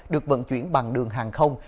được vận chuyển bằng đường hàng không